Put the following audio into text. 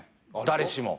誰しも。